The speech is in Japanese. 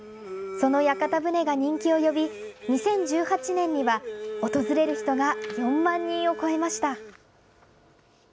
その屋形船が人気を呼び、２０１８年には訪れる人が４万人を超えました。